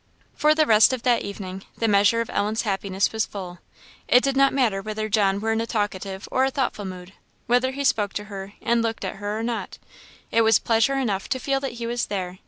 For the rest of that evening the measure of Ellen's happiness was full. It did not matter whether John were in a talkative or a thoughtful mood; whether he spoke to her and looked at her or not; it was pleasure enough to feel that he was there.